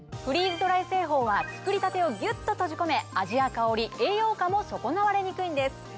フリーズドライ製法は作りたてをギュっと閉じ込め味や香り栄養価も損なわれにくいんです。